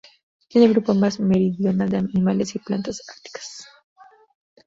Tiene el grupo más meridional de animales y plantas árticos.